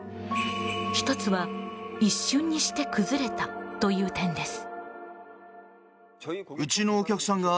１つは一瞬にして崩れたという点です。